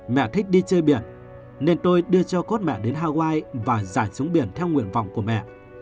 mẹ thích đi chơi biển nên tôi đưa cho cốt mẹ đến hawaii và giải xuống biển theo nguyện vọng của mẹ